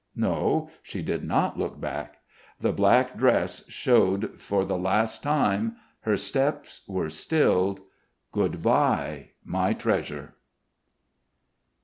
No, she did not look back. The black dress showed for the last time, her steps were stilled.... Goodbye, my treasure!